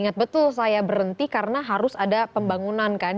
ingat betul saya berhenti karena harus ada pembangunan kan